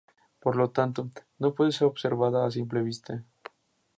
Por lo tanto, no puede ser observada a simple vista.